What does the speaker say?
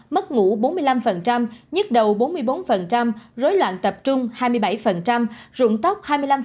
mất ngủ bốn mươi năm nhức đầu bốn mươi bốn rối loạn tập trung hai mươi bảy rụng tóc hai mươi năm